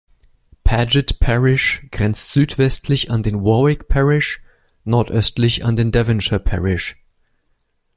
Paget Parish grenzt südwestlich an den Warwick Parish, nordöstlich an den Devonshire Parish.